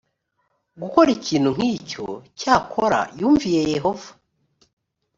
gukora ikintu nk icyo cyakora yumviye yehova